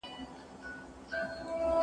دوی له جګړې نه مالونه لاسته راوړي.